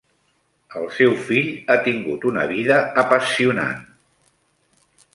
El seu fill ha tingut una vida apassionant.